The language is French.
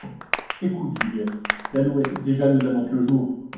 Ecoute Juliette, L’alouette déjà nous annonce le jour !